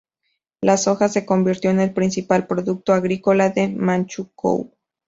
La soja se convirtió en el principal producto agrícola de Manchukuo.